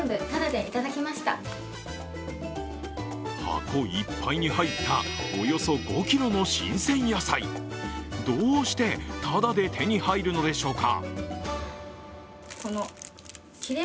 箱いっぱいに入ったおよそ５ｋｇの新鮮野菜、どうしてタダで手に入るのでしょうか？